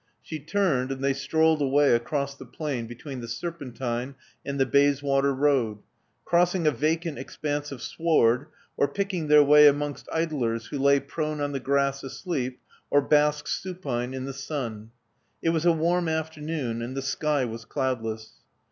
She turned ; and they strolled away across the plain between the Serpentine and the Bayswater Road, crossing a vacant expanse of sward, or picking their way amongst idlers who lay prone on the grass asleep, or basked supine in the sun. It was a warm afternoon ; and the sky was cloudless.